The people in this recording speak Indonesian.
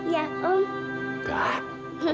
jangan sedih ya om